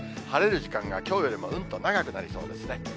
晴れる時間がきょうよりもうんと長くなりそうですね。